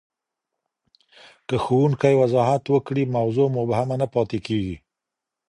که ښوونکی وضاحت وکړي، موضوع مبهمه نه پاته کېږي.